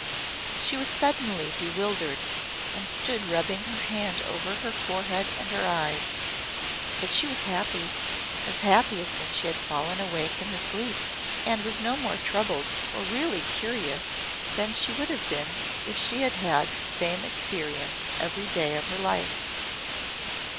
She was suddenly bewildered and stood rubbing her hand over her forehead and her eyes but she was happy as happy as when she had fallen awake in her sleep and was no more troubled or really curious than she would have been if she had had the same experience every day of her life.